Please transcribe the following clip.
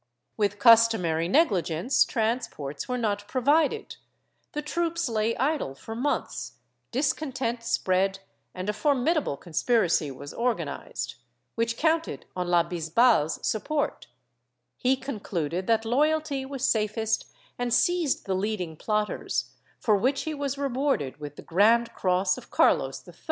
With customary negligence, transports were not provided; the troops lay idle for months, discontent spread and a formidable conspiracy was organized, which counted on la Bisbal's support; he concluded that loyalty was safest and seized the leading plotters, for which he was rewarded with the grand cross of Carlos III.